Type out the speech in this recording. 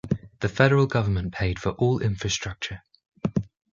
The federal government paid for all infrastructure.